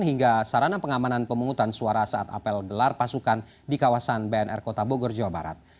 hingga sarana pengamanan pemungutan suara saat apel gelar pasukan di kawasan bnr kota bogor jawa barat